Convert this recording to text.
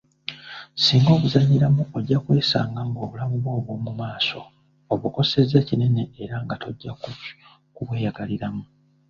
Singa obuzannyiramu ojja kwesanga ng’obulamu bwo obw’omu maaso obukosezza kinene era nga tojja ku bw'eyagaliramu.